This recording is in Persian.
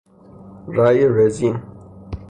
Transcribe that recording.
رأی رزین